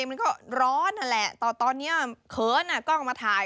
มันก็ร้อนแหละตอนนี้เขินกล้องมาถ่าย